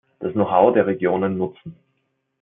Das Know-how der Regionen nutzen.